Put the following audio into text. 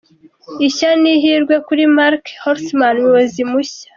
Ishya n’ihirwe kuri Marc Holtzman umuyobozi mushya.